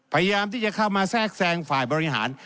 พยายามที่จะเข้ามาแทรกแทรงฝ่ายบริหาร